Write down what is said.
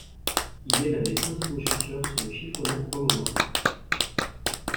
Il est l'un des principaux chercheurs sur le chiffrement homomorphe.